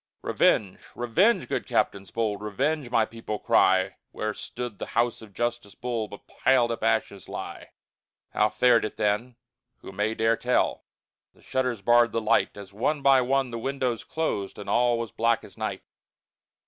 Revenge, revenge, good captains bold, Revenge, my people cry; Where stood the house of Justice Bull But piled up ashes lie. How fared it then, who may dare tell? The shutters barred the light, As one by one the windows closed, And all was black as night.